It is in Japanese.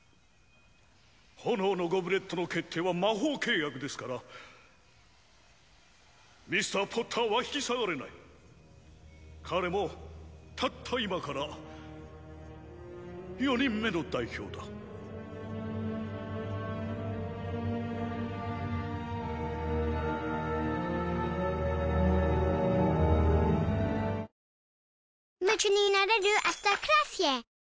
炎のゴブレットの決定は魔法契約ですからミスターポッターは引き下がれない彼もたった今から４人目の代表だカレカレカレカレ！